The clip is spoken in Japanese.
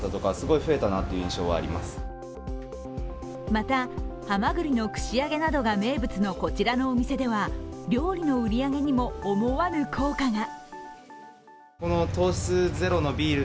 また、はまぐりの串揚げなどが名物のこちらのお店では料理の売り上げにも思わぬ効果が。